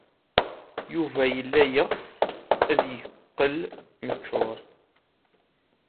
Yuba yella yeɣs ad yeqqel mechuṛ.